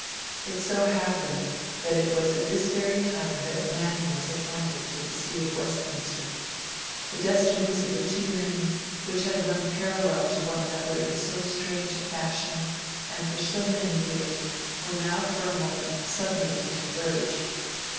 It so happened that it was at this very time that Manning was appointed to the See of Westminster. The destinies of the two men, which had run parallel to one another in so strange a fashion and for so many years, were now for a moment suddenly to converge.